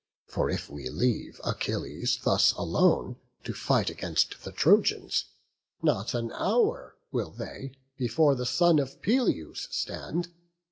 For if we leave Achilles thus alone To fight against the Trojans, not an hour Will they before the son of Peleus stand.